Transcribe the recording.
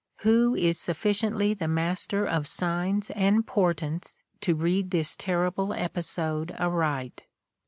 Who is sufficiently the master of signs and portents to read this terrible episode aright